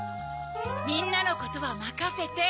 みんなのことはまかせて。